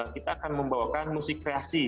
kita akan membawakan musik kreasi